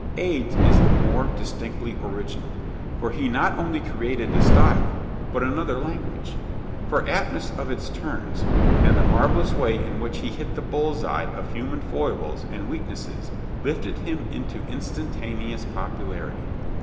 Ade's is the more distinctly original, for he not only created the style, but another language. The aptness of its turns, and the marvelous way in which he hit the bull's eye of human foibles and weaknesses lifted him into instantaneous popularity.